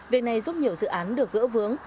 việc này giúp nhiều dự án được gỡ vướng